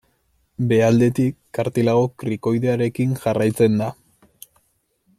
Behealdetik kartilago krikoidearekin jarraitzen da.